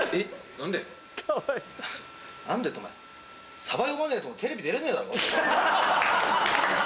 何でってお前さば読まねえとテレビ出れねえだろ？